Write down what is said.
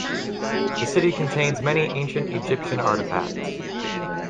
The city contains many ancient Egyptian artifacts.